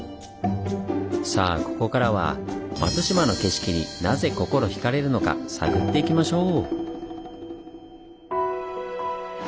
さあここからは松島の景色になぜ心ひかれるのか探っていきましょう！